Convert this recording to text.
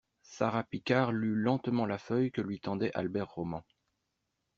Sara Picard lut lentement la feuille que lui tendait Albert Roman.